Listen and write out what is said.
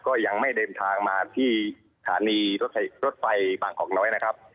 ก็ยังไม่เดินทางมาที่สถานีรถไฟรถไฟบางกอกน้อยนะครับ